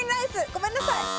ごめんなさい。